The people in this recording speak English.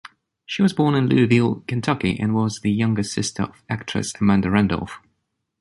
She was born in Louisville, Kentucky, and was the younger sister of actress Amanda Randolph.